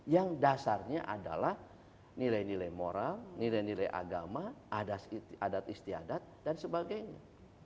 yang dasarnya adalah nilai nilai moral nilai nilai agama adat istiadat dan sebagainya